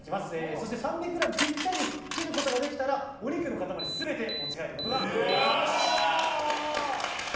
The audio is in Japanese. そして３００ｇぴったり切ることができたらお肉の塊全て持ち帰ることができます。